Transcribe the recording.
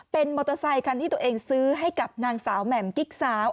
เป็นมอเตอร์ไซคันที่ตัวเองซื้อให้กับนางสาวแหม่มกิ๊กสาว